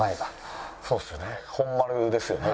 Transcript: そうですよね。